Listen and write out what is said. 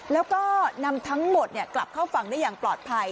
แล้วก็นำทั้งหมดกลับเข้าฝั่งได้อย่างปลอดภัย